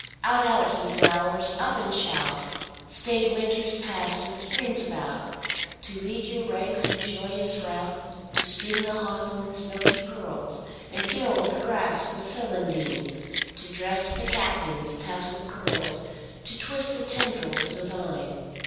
Out, out, ye flowers! Up and shout! Staid Winter's passed and Spring's about To lead your ranks in joyous rout; To string the hawthorn's milky pearls, And gild the grass with celandine; To dress the catkins' tasselled curls, To twist the tendrils of the vine.